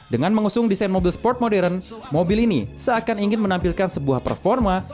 dengan mengusung desain mobil sport modern mobil ini seakan ingin menampilkan sebuah performa